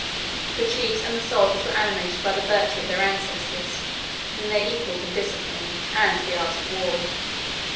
The chiefs and the soldiers were animated by the virtue of their ancestors, whom they equalled in discipline and the arts of war.